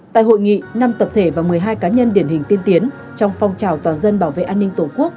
tại hội nghị năm tập thể và một mươi hai cá nhân điển hình tiên tiến trong phong trào toàn dân bảo vệ an ninh tổ quốc